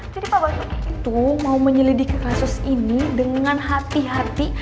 jadi pak basuki itu mau menyelidiki kasus ini dengan hati hati